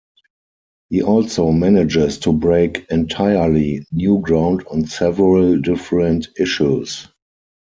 He also manages to break entirely new ground on several different issues.